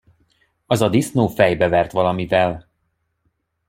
Az a disznó fejbe vert valamivel.